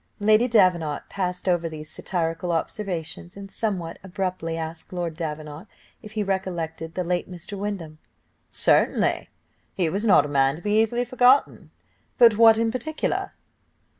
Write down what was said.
Lady Davenant passed over these satirical observations, and somewhat abruptly asked Lord Davenant if he recollected the late Mr. Windham. "Certainly he was not a man to be easily forgotten: but what in particular?"